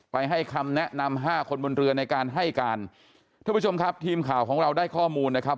ให้คำแนะนำห้าคนบนเรือในการให้การท่านผู้ชมครับทีมข่าวของเราได้ข้อมูลนะครับ